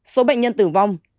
số bệnh nhân tử vong